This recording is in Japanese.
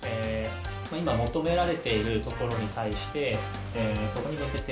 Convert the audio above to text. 今求められているところに対してそこに向けて。